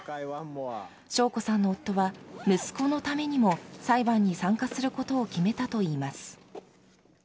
晶子さんの夫は、息子のためにも裁判に参加することを決めたといいます。